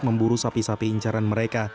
memburu sapi sapi incaran mereka